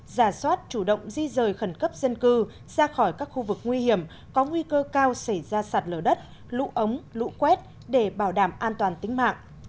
giả soát chủ động di rời khẩn cấp dân cư ra khỏi các khu vực nguy hiểm có nguy cơ cao xảy ra sạt lở đất lũ ống lũ quét để bảo đảm an toàn tính mạng